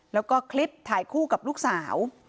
แล้วก็คลิปถ่ายคู่กับลูกสาว